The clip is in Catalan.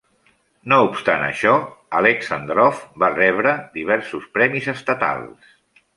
No obstant això, Aleksàndrov va rebre diversos premis estatals.